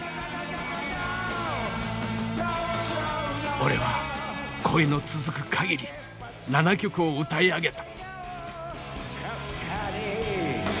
俺は声の続く限り７曲を歌い上げた。